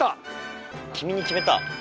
君に決めた！